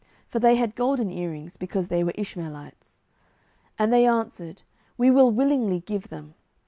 (For they had golden earrings, because they were Ishmaelites.) 07:008:025 And they answered, We will willingly give them.